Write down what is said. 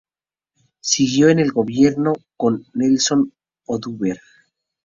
Siguió en el gobierno, con Nelson Oduber.